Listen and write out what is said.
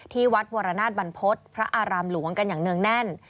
ที่วัดวรนาศบรรพฤษพระอารามหลวงกันอย่างเนื่องแน่น